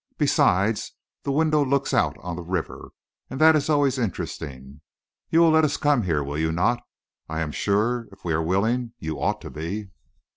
Besides, the window looks out on the river, and that is always interesting. You will let us come here, will you not? I am sure, if we are willing, you ought to be."